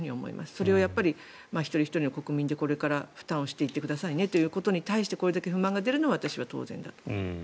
それは一人ひとりの国民でこれから負担をしていってくださいねということに対してこれだけ不満が出るのは私は当然だと。